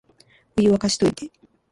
お湯、沸かしといて